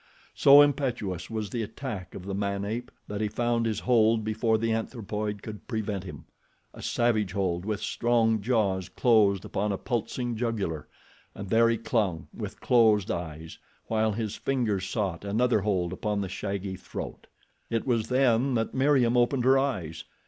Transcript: So impetuous was the attack of the man ape that he found his hold before the anthropoid could prevent him—a savage hold, with strong jaws closed upon a pulsing jugular, and there he clung, with closed eyes, while his fingers sought another hold upon the shaggy throat. It was then that Meriem opened her eyes.